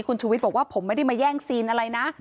คุณชูวิทย์บอกว่าผมไม่ได้มาแย่งซีนอะไรนะ